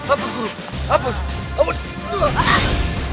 ampun guru ampun ampun